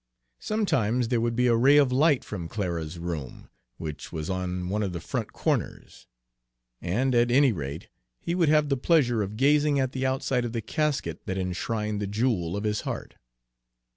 Sometimes there would be a ray of light from Clara's room, which was on one of the front corners; and at any rate he would have the pleasure of gazing at the outside of the casket that enshrined the jewel of his heart.